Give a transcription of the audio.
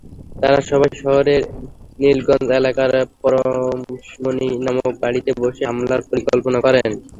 তাঁরা সবাই শহরের নীলগঞ্জ এলাকার পরশমণি নামক বাড়িতে বসে হামলার পরিকল্পনা করেন।